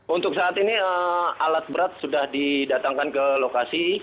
untuk saat ini alat berat sudah didatangkan ke lokasi